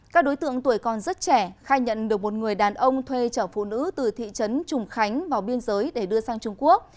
các đối tượng tuổi còn rất trẻ khai nhận được một người đàn ông thuê chở phụ nữ từ thị trấn trùng khánh vào biên giới để đưa sang trung quốc